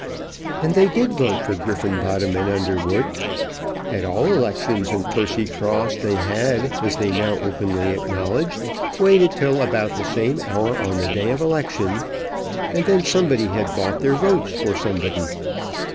And they did vote for Griffenbottom and Underwood. At all elections in Percycross they had, as they now openly acknowledged, waited till about the same hour on the day of election, and then somebody had bought their votes for somebody.